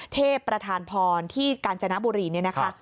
เทพประธานพรที่กาญจนบุรีเนี่ยนะคะ